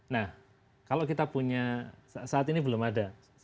nah kalau kita punya saat ini belum ada